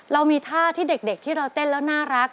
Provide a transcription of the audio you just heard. เรามีท่าที่เด็กที่เราเต้นแล้วน่ารัก